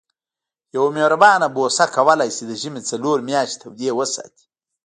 یوه مهربانه بوسه کولای شي د ژمي څلور میاشتې تودې وساتي.